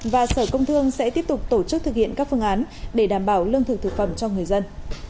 và sở công thương sẽ tiếp tục tổ chức thực hiện các phương án để đảm bảo lương thực thực phẩm cho người dân